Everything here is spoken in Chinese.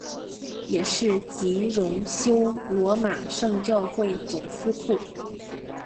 也是及荣休罗马圣教会总司库。